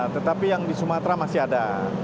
tetapi yang di sumatera masih ada